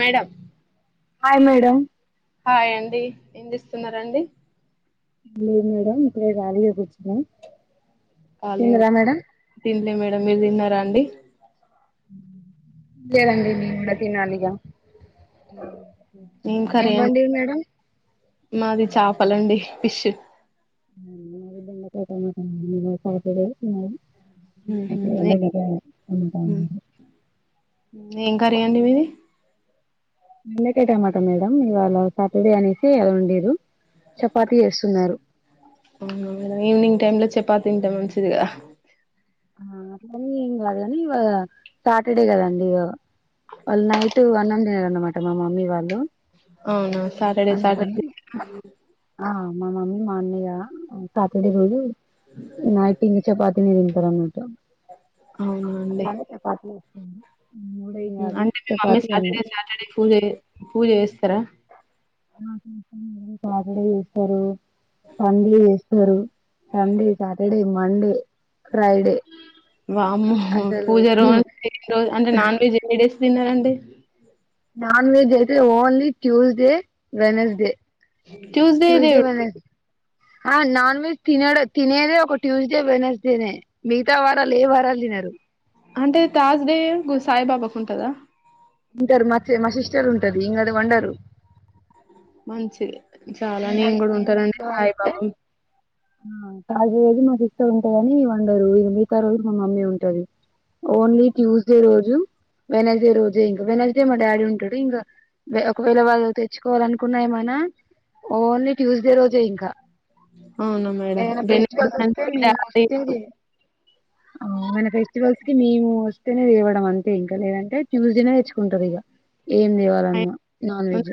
Madam hi madam hi అండి ఏం జేస్తున్నార్ అండి లేదు మేడం ఇప్పుడే గాలీగా కూర్చున్న తింటి మేడం మీరు దిన్నారా అండి. లేదండి నేను గూడా తినాలి ఇగ ఏం కర్రీ అన్ వండిరు మేడం మాది చాపలండి ఫిష్ [unintelligible] మ్మ్. మ్మ్. [unintelligible] ఏం కర్రీ అండి మీది [unintelligible] మాట మేడం ఇయాళ సాటడే అనేసి ఎవరూ లేరు. చపాతి ఏసున్నారు. [unintelligible] ఈవినింగ్ టైం లొ చపాత్ తింటె మంచిదిగ. ఆ అట్లని ఏం గాదు గాని ఇవా సాటడే గదండిగ. వాళ్ నైట్ అన్నం జెయ్రన్నమాట మా మమ్మీ వాళ్ళు ఔన అందుకనీ ఆ మ మమ్మీ మా అన్నయ్య సాటడే రోజు నైటింగ్ చపాతి దింటారన్ ఔనా అండి. ఉమ్. ఊహు అంటె మి మమ్మీ సాటడే సాటడే పూజ జే పూజ జేస్తర. [unintelligible] సాటడే జేస్తారు [unintelligible] ఏస్తారు. Sunday Saturday Monday Friday. వామ్మో పూజ రోజ్ ఎన్ని రోజ్ అంటె నాన్వెజ్ ఎన్నిడేస్ దినరండి. నాన్వెజైతె only Tuesday Wednesday Tuesday Venus ఆ నాన్వెజ్ తినడు తినేదె ఒక ట్యూస్డే వెనస్డేనే మిగ్తా వారాల్ ఏ వారాల్ దినరు. అంటే తాజ్డే గు సాయ్బాబా కుంటంద. ఉంటరు మచి మ సిస్టరుంటది ఇంగది వండరు. మంచిది చాలా ఇంగ నేన్ గూడుంటనండి సాయ్బాబా ఆ తాజ్డే రోజు మా సిస్టరుంటదనీ వండరు ఇగ మిగ్తా రోజులు మా మమ్మీ ఉంటది. ఓన్లీ ట్యూస్డే రోజు వెనస్డె రోజే ఇంకా వెనస్డే మా డాడీ ఉంటడు ఇంగ వె ఒక్వేళ వాళ్ నువ్ తెచ్చుకోవాలనుకున్న ఏమైనా ఓన్లీ ట్యూస్డే రోజె ఇంక. అవునా మేడం ఏమనా ఫెస్టికల్సొస్తె మేమొస్తేది ఆ మన ఫెస్టివల్స్ కి మేము తేనె తేవడం అంతె ఇంక లేదంటె ట్యూస్డేనే తెచ్చుకుంటరిగ. ఏమి దేవాలన్న నాన్వెజ్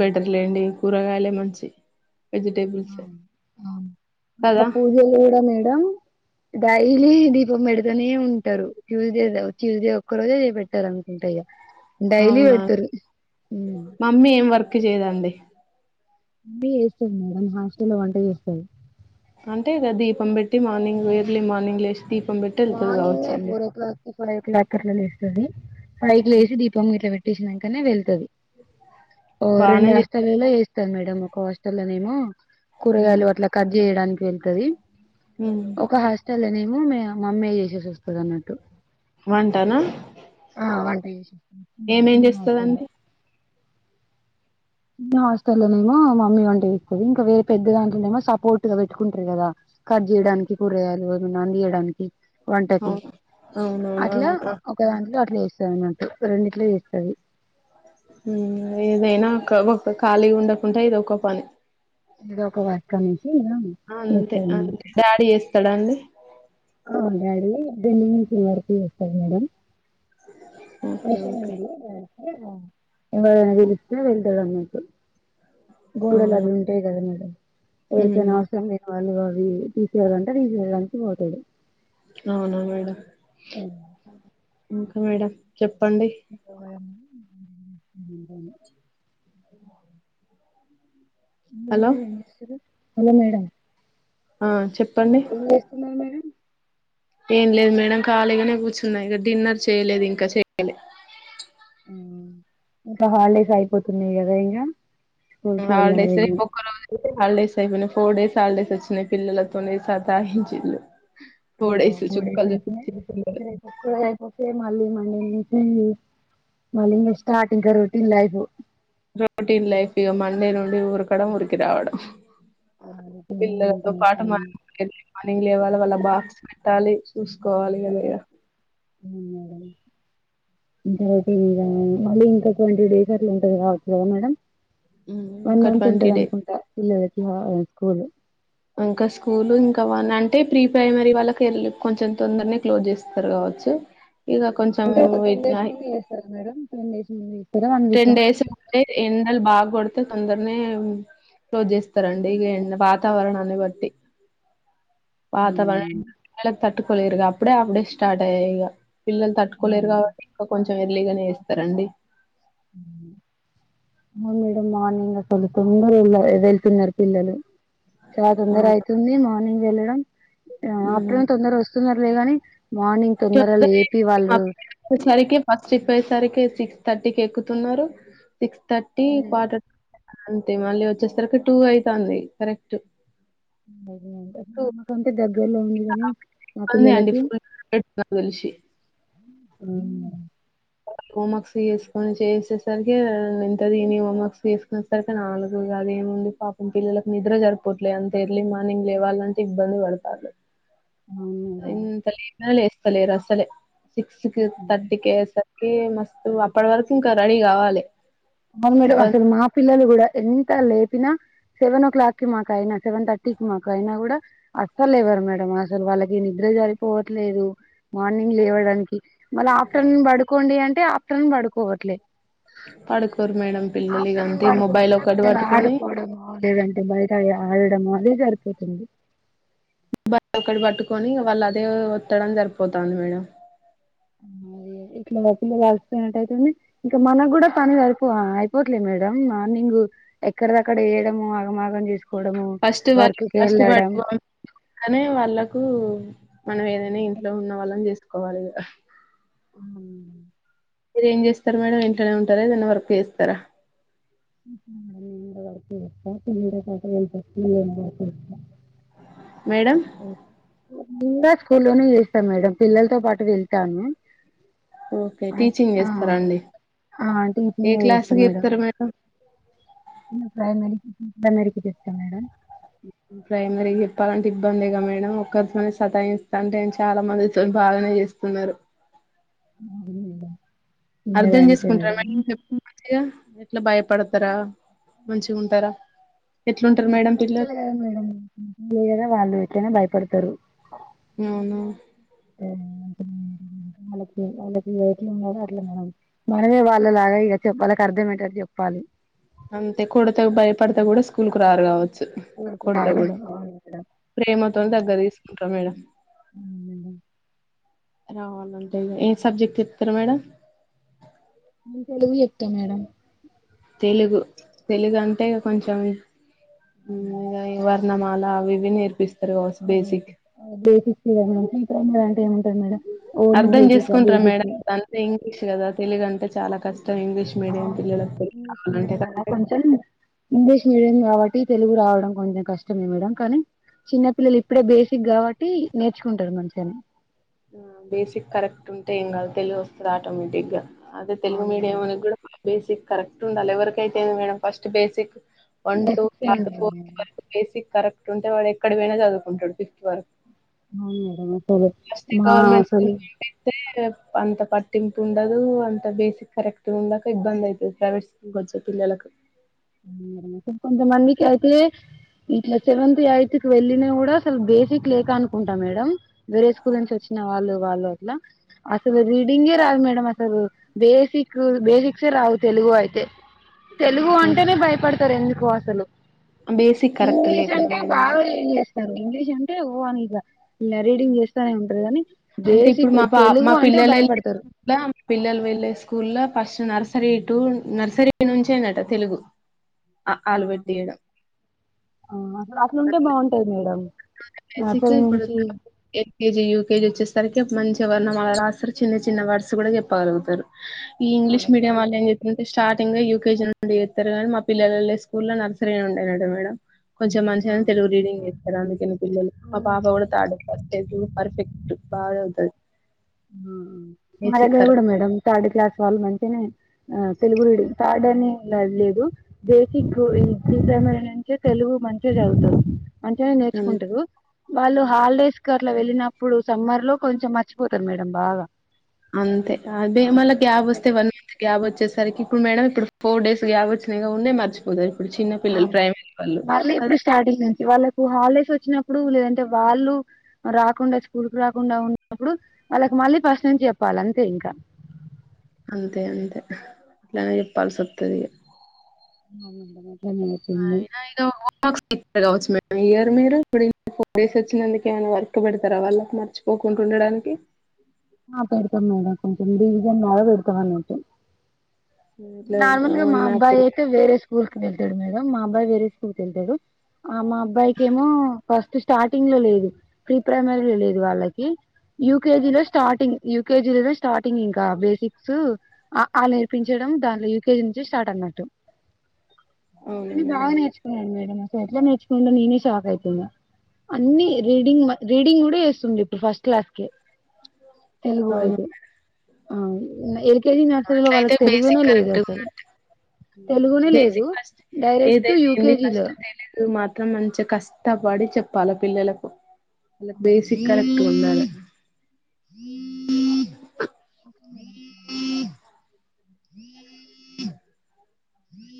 బెటర్లేండి కూరగాయ్లె మంచి. వెజిటేబుల్సె కద. ఇంకా పూజలు కూడా మేడం డైలీ ఇదిగో మెడుప్ తనే ఉంటరు ట్యూస్డే ద ట్యూస్డే ఒక్క రోజే పెట్టరనుకుంట ఇగ. డైలీ అవునా వెడ్తరు ఉమ్. మమ్మీ ఏం వర్క్ చేయదండి [unintelligible] జేస్తది మేడం హాస్టల్లొ వంట జేస్తది. అంటె ఇగ దీపం బెట్టి మార్నింగు ఎర్లి మార్నింగ్ లేష్ దీపం బెట్టి యెళ్తది గావచ్చండి. ఫైవోక్లాక్ అట్ల లేస్తంది ఫైవ్కి లేషి దీపం గిట్ల పెట్టేషినంకనే వెళ్తది. ఓ బానే రెండు హాస్టలల్లొ జేస్తది మేడం ఒక హాస్టల్లోనేమో ఉమ్ కూరగాయలు అట్ల కడ్ జేయడానికి వెళ్తది ఉమ్. ఒక హాస్టల్లెనేమొ మే మమ్మే జేసేసొస్తదన్నట్టు. వంటనా. వంట చేసి ఏమేమ్ చిన్న హాస్టల్లో జేస్తదండి. మ్ హాస్టల్లనేమో మమ్మీ వంట జేస్తది ఇంక వేరె పెద్ద దాంట్లొనెమో సపోట్గ పెట్టుకుంటరు గద. కడ్ జేయడానికి కూరగాయాలు ఏమన్న అందియ్యడానికి. వంటకి అవును అవునవును అట్లా అవును ఆ. ఒక దాంట్లొ అట్ వేస్తదిన్నట్టు రెండిట్లో జేస్తది. ఉమ్ ఏదైనా ఒక ఒక ఖాళీగుండకుంట ఇదొక పని. ఇదొక వర్కని. అంతే అంతే డాడీ చేస్తాడాండి ఆ డాడీ ఎ డీల్ మిషన్ వర్క్ చేస్తాడ్ మేడం ఓకే ఓకే ఎవరినా పిలిస్తే వెళ్తా అన్నట్టు గోడలు అవునా అవి ఉంటయ్ గద మేడం ఎవ్రికైన మ్మ్. అవసరం లేని వాళ్ళు అవి తీసెయ్యాలంట తీసెయ్యడానికి బోతాడు. ఔన మేడం ఇంక మేడం. చెప్పండి [unintelligible] [inaudible] హలో హలో మేడం ఆ చెప్ ఎం చేస్తున్నారు మేడం ఏం లేదు మేడం ఖాళీగానే కూర్చున్నా ఇగ డిన్నర్ చేయలేదు ఇంకా చెయలి ఉమ్ ఇంకా హాలిడేస్ అయిపోతున్నాయి గదా ఇగ స్కూల్ కి హాలిడేస్ వెళ్ళలేమో ఒక్క రోజు హాలిడేస్ అయిపోయి ఫోర్ డేస్ హాలిడేస్ వచ్చినాయి పిల్లల తోని సత్తాయించిండు [unintelligible] పిల్లలు మళ్ళి మండే నుంచి మళ్ళంగ స్టార్ట్ ఇంక రొటీన్ లైఫ్ రొటీన్ లైఫ్ ఇక మండే నుండి ఊరకడం ఊరికి రావడం ఆ రొటీన్ ఇంకా పిల్లలతో పాటు టైం మనం మార్నింగ్ లేవాలి వాళ్ళ బాక్స్ పెట్టాలి చూసుకోవాలి గాద ఇగ ఉండదు. అవును మేడం ఇంకా రొటీన్ గ మళ్ళీ ఇంకా ట్వంటీ డేస్ అట్లా ఉంటది కావచ్చు కదా మేడం వన్ ఒక మంత్ ట్వంటీ ఉంటది డే అనుకుంటా పిల్లలకి ఆ స్కూల్ ఇంకా స్కూల్ ఇంకా వన్ అంటే ప్రీ ప్రైమరీ వాళ్ళకి ఎల్ కొంచెం తొందరనే క్లోజ్ చేస్తారు కావ చ్చు అంటే ఒక టెన్ డేస్ ముందు చేస్తార మేడం టెన్ డేస్ ముందు చేస్తారా వన్ వీక్ టెన్ డేస్ ఉంటే ఎండల్ బా కొడతా అయితే తొందరనే క్లోజ్ చేస్తారండి ఇగ ఎన్ వాతావరణాన్ని బట్టి పాత అవును వాతావరణ తట్టుకోలెరు అప్పుడే హాఫ్డైస్ స్టార్ట్ అయ్యాయి ఇగ పిల్లలు ఆ! తట్టుకోలేరు కాబట్టి ఇంకా కొంచెం ఎర్లీగానే ఇస్తారండి ఆ మేడం మార్నింగ్ అసలు తొందర వెళ్ళ వెళ్తున్నారు పిల్లలు చాలా తొందర అయితుంది మార్నింగ్ వెళ్ళడం ఉమ్ ఆఫ్టర్నూన్ తొందర వస్తున్నారు లే గాని మార్నింగ్ తొందర లేపి వాళ్ళు రికి ఫస్ట్ ట్రిప్ అయి పోయేసరికి సిక్స్ థర్టీకి ఎక్కుతున్నారు సిక్స్ థర్టీ క్వార్టర్ అంతే మళ్ళీ వచ్చేసరికి టూ అయితది కరెక్ట్ టూ మాకంటే దగ్గర లో ఉందిగనీ మా ఇబ్బంది అండి పిల్లలకి ఫుల్ నాకు తెలిసి అవును మేడం హోం వర్క్స్ చేసుకొని చేసేసరికి ఇంత తిని హోమ్ వర్క్స్ చేసుకునే సరికి నాలుగు గాదు ఏముంది పాపం పిల్లలకు నిద్ర జరిపోట్లేదు అంత ఎర్లీ మార్నింగ్ లేవాలంటే ఇబ్బంది పడతాండ్రు ఎంత లేప్నా లీస్తాలేర్ అసాలే సిక్స్ కు థార్ట్కె ఏ మస్త్ అప్పడి వరకు ఇంకా రెడీ గవలే అవును మేడం అసలు మా పిల్లలు కూడా ఎంత లేపినా సెవెన్ ఓ క్లాక్ కి మాక అయినా సెవెన్ థర్టీ క మాకు అయినా కూడా అసలు లేవరు మేడం అసలు వాళ్ళకి నిద్ర జరిపోవట్లేదు మార్నింగ్ లేవడానికి మళ ఆఫ్టర్నూన్ బడుకోండి అంటే ఆఫ్టర్నూన్ పడుకోవట్లే పడుకోరు మేడం పిల్లలు ఇగ ఆఫ్టేర్నూన్ అంతే మొబైల్ పాడుకోకుండా ఒకటి పిల్లలు పట్టుకొని ఆడుకొవడము లేదంటే బయట అయి ఆడడము అదే సరిపోతుంది బా ఒకటి పట్టుకొని వాళ్ళు అదే వత్తడం సరిపోతుంది మేడం అది ఇట్లా మా పిల్లలు అలిసిపోయినట్టు అయితుంది ఇంకా మనకు కూడా పని సరిపో అయిపోట్లే మేడం మార్నింగ్ ఎక్కడదక్కడ ఏయడం ఆగం ఆగం చేసుకు ఫస్ట్ వాళ్ళ ఫస్ట్ [inaudible] కానీ వాళ్ళకు మనం ఏదైనా ఇంట్లో ఉన్న వాళ్ళని చేసుకోవాలి ఇగ ఆహ్ మీరు ఏం చేస్తారు మేడం ఇంట్లనే ఉంటారా ఏదైనా వర్క్ చేస్తారా నిను కూడ వర్క్ చేస్తా [unintelligible] మేడం నిగూడా స్కూలోనే చేస్తా మేడం పిల్లలతో పాటు వెళ్తాను ఓకే టీచింగ్ చేస్తారా ఆహ్ అండి ఆహ్ ఏ టీచింగే చేస్తా క్లాస్కి మేడం చెప్తారు ప్రైమరీ కి పి ప్రైమరీకి చేప్త మేడం ప్రైమరీకి చెప్పాలంటే ఇబ్బందేగ మేడం ఒక్కరితోనే సతాయిస్త అంటే నెన్ చాలా మందితో బాగనే చేస్తున్నారు అవును మేడం అర్ధం చేసుకుంటారా మేడం చెప్పిం ఇగ ఎట్లా భయపడతారా మంచిగుంటారా ఎట్లుంటారు మేడం పిల్లలు చిన్నపిల్లలే కదా మేడం ఎదో వాళ్ళు ఎట్లైన భయపడతారు అవునా ఆ, వాళ్ళకి వాళ్ళకి ఎట్లుండాలో అట్ల మేడం మనమే లాగ ఇగ చెప్ వాళ్లకు చెప్పు లి అంతే కొడ్తే భయపడితే గుడా స్కూల్కు రారు కావచ్ చ్చు ఊరికి కొడ్తే రాదు. గుడా అవును మేడం. ప్రేమతో దగ్గరకు తీసుకుంటా మేడం అవును మేడం. రావాలంటే ఇగ ఏ సబ్జెక్ట్ చెప్తారు మేడం నేన్ తెలుగు చెప్తా మేడం తెలుగు తెలుగంటే అంటే కొంచెం హు ఇగ వర్ ర్నామాలా అవి ఇవి నేర్పిస్ బేసిక్స్ థియర్మ్ లో అంటే [unintelligible] ఏముంటాది మేడం ఓన్లీ అర్ధం బేసిక్ చేసుకుంటార మేడం బేసిక్స్ ఇప్పుడంతా ఇంగ్లీష్ కదా తెలుగు అంటే చాలా కస్ అవును ఇంగ్లీష్ మీడియం కదా గదా మేడం? కొంచం ఇంగ్లీష్ మీడియం కాబట్టి తెలుగు రావడం కొంచం కష్టమే మేడం కానీ చిన్నపిల్లలు ఇప్పుడే బేసిక్ కాబట్టీ నేర్చుకుంటారు మంచిగనె ఆ బేసిక్ కరెక్ట్ ఉంటే ఏంకాదు తెలుగొస్తది ఆటోమేటిక్ గా అదే తెలుగు అవును మీడియం మేడం వల్లక్గూడ బేసిక్ కరెక్ట్ ఉండాలి ఎవరికైతే ఎంది madam first basic one two basics ఏ థర్డ్ ఉంటాయి ఫోర్త్ మేడం వారకు బేసిక్ కరెక్ట్ ఉంటే వాడు ఎక్కడ వోయిన చదువుకుంటాడు ఫిఫ్త్ వరకు అవును మేడం [unintelligible] గవర్నమెట్ స్కూల్ అసలు [unintelligible] తె తె అంత పట్టింపుండదు అంత బేసిక్ కరెక్ట్ ఉండక ఇబ్బంది అయితది ప్రైవేట్ స్కూల్ వచ్ పిల్లలక్ అవును మేడం కొంత మందికైతే ఇంట్లా సెవెంత్ ఎయిట్త్కు వెళ్ళిన గుడా అసల్ బేసిక్ లేక అనుకుంటా మేడం వేరే స్కూల్ నుంచి వచ్చి నవాళ్ళు వాళ్ళు అట్లా అసలు రీడింగే రాదు మేడం అసలు బేసిక్ బేసిక్సే ఏ రావు తెలుగు అయితే తెలుగు అంటేనే భయపడతారు ఎందు కో అసలు బేసిక్ కరెక్ట్ ఇంగ్లీష్ లేకనే అంటే మేడం బాగ రీడింగ్ చేస్తారు ఇంగ్లీష్ అంటే వో అని ఇగ ఇలా రీడింగ్ చేస్తానే ఉంట గని బేసిక్ తెలుగు అంటే భయపడతరు పిల్లల్ వెళ్ళే స్కూలా first nursery to nursery నుంచేనట తెలుగు ఆలు ఆహా పెట్టియడం ఆ అట్లుంటే బాగుంటది మేడం [unintelligible] బేసిక్సు నర్సరీ ఎప్పుడు నుంచి L K G U K G KG వచ్చేసరికే మంచిగా వర్ణమాల రాస్తారు చిన్న చిన్న వర్డ్స్ కూడా చెప్పగలుగుతరు ఈ ఇంగ్లీష్ చెప్పాలి సార్ మీడియం అట్లా వాల్ల్ ఎంజేతరంటే స్టార్ తీంగా యుకేజీ నుండి చెత్తరు గానీ మా పిల్లల వెళ్లే స్కూల్ల నర్సరీ నుండేనట మేడం కొంచెం ఆ మంచిగానే తెలుగు రీడింగ్ చేత్తరు అందుకని పిల్లలు మా పాప అవును గూడ ఆ తార్డ్ క్లాస్ తెలుగులో పర్ఫెక్ట్ బా చవుతది ఆ మాదెగ్గర గుడా మేడం థర్డ్ క్లాస్ వాళ్ళ్ మంచనే ఆ తెలుగు రీడింగ్ తార్డని ల లేదు బేసిక్ ప్రిప్రైమరి నుంచి తెల్ లుగు మంచిగ చవుతరు మంచిగానే అంత నేర్చుకుంటరు వాళ్ళు హాల్డేస్క్ అట్ల వెళ్ళినప్పుడు సమ్మర్ లో కొంచెం మర్చిపో తరు మేడం బాగ అంతే అదె మళ్ళ గ్యాబ్ వస్తే వన్ మంత్ గ్యాబ్ వచ్చేసరికి ఇప్పుడు మేడం ఇప్పుడు ఫోర్ డేస్ గ్యాబ్ వచ్చింది గా ఉంన్నాయ్ మర్చిపోతరు ఇప్పుడు చిన్న ఆ పిల్లలు ప్రైమరీ వాళ్ళు మళ్ళీ కదా ఇప్పుడు స్టార్టింగ్ నుంచి వాళ్ళ కు హాలిడేస్ వచ్చినప్పుడు లేదంటే వాళ్ళు రాకుండా స్కూల్కు రాకుండా ఉన్నప్పుడు వాళ్ళకు మళ్ళీ ఫస్ట్ నుంచి చెప్పాలే అంతే ఇంకా అంతె అంతె అట్లనే చెప్పాల్సొత్తది ఇగ [unintelligible] టెన్ మినిట్స్ ఐన ఇగ రోజ్ ఇ కావచ్చు మేడం ఇయర్ మీరు ఇప్పుడు ఈ ఫోర్ డేస్ వచ్చినందుకెమైనా వర్క్ పెడతరా వాళ్ళ మర్చిపోకుంటుం ఉండడాన్కి ఆ పెడ్తం మేడం కొంచెం రివిసన్ లాగ పెడ్తం అన్నట్టు ఇట్లా నార్మల్గా మా వన్ ఆర్ టూ అబ్బాయ్ ఐతే వేరె స్కూల్ వెళ్తడు మేడమ్ మా అబ్బాయ్ వేరె స్కూల్కెళ్తడు ఆ మా అబ్బాయికి ఏమో ఫస్ట్ స్టార్టింగ్ లో లే దు ప్రీ ప్రైమరీ లేదు వాళ్ళకి యుకేజీలో స్టార్టింగ్ యూకేజీ గద స్టార్టింగ్ ఇంకా బేసిక్సు అ ఆల్ నేర్పించడం దాంట్లో యూకేజ్ జ్ స్టార్ట్ అన్నట్టు అవునా అది బాగ మేడం నేర్చుకున్నాన్ మేడం అసల్ ఎట్లా నేర్చుకున్న నేనే షాక్ అయ్తున్న అన్ని రీడింగ్ మ రీడింగ్ కూడ చేస్తుండ్ ఇప్పుడ్ ఫస్ట్ క్లాస్కె అవున ఆ ఎల్కేజీ నర్సరీలొ వాళ్ళక్ తెలుగే లేదు అసల్ మ్ బేసిక్ ఫస్ట్ డైరెక్ట్ ఏదైతే ఏంది యూకేజీలో ఫస్ట్ తెలుగు మా త్రం మంచిగ కష్టపడి చెప్పాల పిల్లలకు వాళ్ళ బేసిక్ మేడం కరెక్ట్గ ఉండాలే ఒకే మేడం [unintelligible]